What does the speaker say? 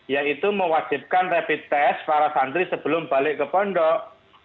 yaitu mewajibkan rapid test para santri sebelum balik ke pondok